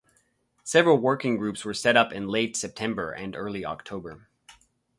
Several working groups were set up in late September and early October.